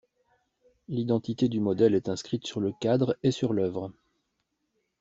L'identité du modèle est inscrite sur le cadre et sur l'œuvre.